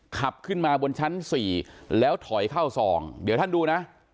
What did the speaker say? ขับขึ้นมาบนชั้น๔แล้วถอยเข้าซองเดี๋ยวท่านดูนะ